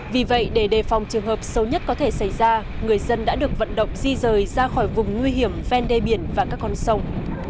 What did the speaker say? vì vậy để đề phòng trường hợp xấu nhất có thể xảy ra người dân đã được vận động di rời ra khỏi vùng nguy hiểm ven đê biển và các con sông